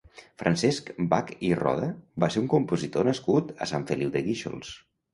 Francesc Bach i Roca va ser un compositor nascut a Sant Feliu de Guíxols.